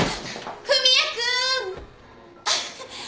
文也君！